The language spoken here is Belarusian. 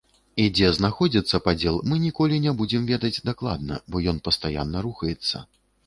І дзе знаходзіцца падзел, мы ніколі не будзем ведаць дакладна, бо ён пастаянна рухаецца.